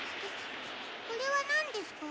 これはなんですか？